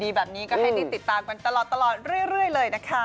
มีแบบนี้ก็ให้ได้ติดตามกันตลอดเรื่อยเลยนะคะ